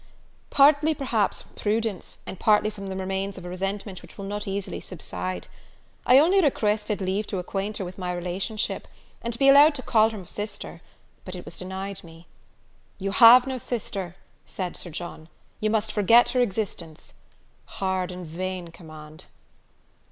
"Partly, perhaps, from prudence, and partly from the remains of a resentment which will not easily subside. I only requested leave to acquaint her with my relationship, and to be allowed to call her sister; but it was denied me! 'You have no sister,' said Sir John, 'you must forget her existence.' Hard and vain command!"